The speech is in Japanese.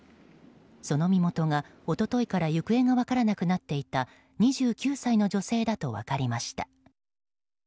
その身元が一昨日から行方が分からなくなっていた２９歳の女性だと分かりました。